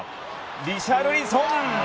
リシャルリソン！